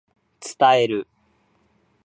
伝える